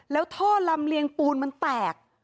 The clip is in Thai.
แล้วท่อลำเลียงปูนมันแตก